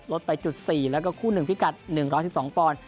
ลดไปจุด๔และก็คู่นึงภิกัด๑๑๒ปอล